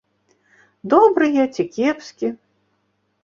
Добры я ці кепскі.